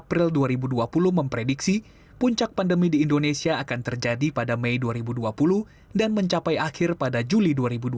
pada bulan juli dua ribu dua puluh penyelidikan yang terakhir di indonesia akan terjadi pada bulan juli dua ribu dua puluh